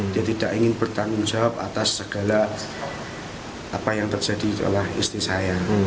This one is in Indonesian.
dia tidak ingin bertanggung jawab atas segala apa yang terjadi oleh istri saya